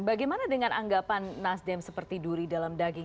bagaimana dengan anggapan nasdem seperti duri dalam daging